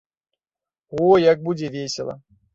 О, як будзе весела!